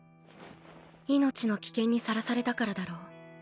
命の危険にさらされたからだろう